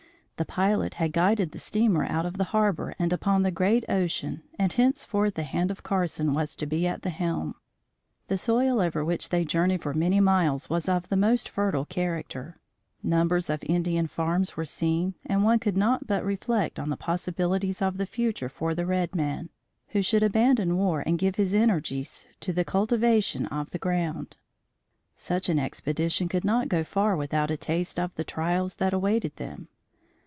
The pilot had guided the steamer out of the harbor and upon the great ocean, and henceforth the hand of Carson was to be at the helm. The soil over which they journeyed for many miles was of the most fertile character. Numbers of Indian farms were seen, and one could not but reflect on the possibilities of the future for the red man, who should abandon war and give his energies to the cultivation of the ground. Such an expedition could not go far without a taste of the trials that awaited them.